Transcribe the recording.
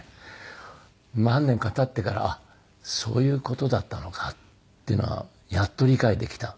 何年か経ってからあっそういう事だったのかっていうのをやっと理解できた。